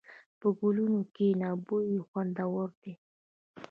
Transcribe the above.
په ګلونو کښېنه، بوی یې خوندور دی.